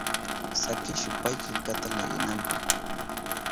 Sakishu pay killkata leyinanpa.